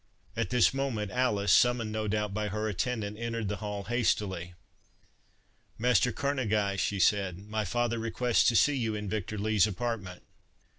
At this moment Alice, summoned no doubt by her attendant, entered the hall hastily. "Master Kerneguy," she said, "my father requests to see you in Victor Lee's apartment."